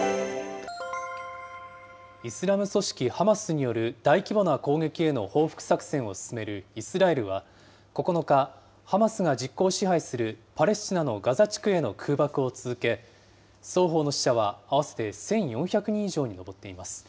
イスラム組織ハマスによる大規模な攻撃への報復作戦を進めるイスラエルは、９日、ハマスが実効支配するパレスチナのガザ地区への空爆を続け、双方の死者は合わせて１４００人以上に上っています。